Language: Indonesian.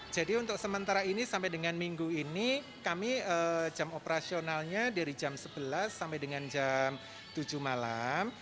jadi untuk sementara ini sampai dengan minggu ini kami jam operasionalnya dari jam sebelas sampai dengan jam tujuh malam